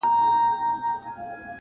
o د انسان مخ د خداى له نوره دئ٫